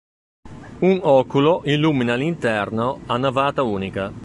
Un oculo illumina l'interno a navata unica.